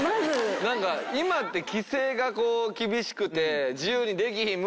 何か今って規制がこう厳しくて「自由にできひん」